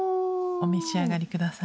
お召し上がり下さい。